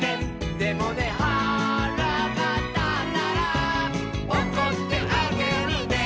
「でもねはらがたったら」「おこってあげるね」